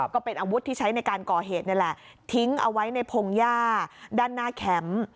ก็เป็นอาวุธที่ใช้ในการก่อเหตุนี่แหละทิ้งเอาไว้ในพงหญ้าด้านหน้าแคมป์